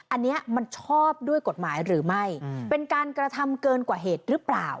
อันนี้มันชอบด้วยกฎหมายหรือไม่เป็นการกระทำเกินกว่าเหตุหรือเปล่า